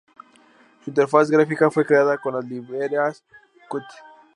Su interfaz gráfica fue creada con las librerías Qt.